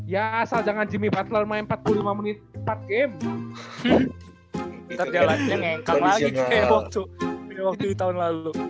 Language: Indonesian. ya asal jangan jimmy butler main empat puluh lima menit empat game ntar jalannya ngengkak lagi kayak waktu di tahun lalu